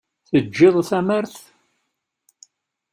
Teǧǧiḍ tamart?